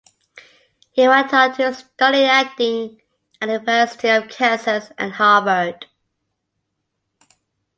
He went on to studying acting at the University of Kansas and Harvard.